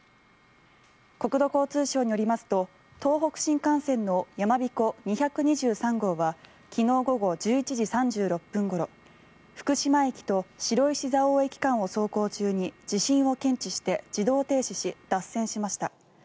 国土交通省によりますと東北新幹線のやまびこ２２３号は昨日午後１１時３６分ごろ福島駅と白石蔵王駅間を走行中に地震を検知して自動停止し、脱線しました。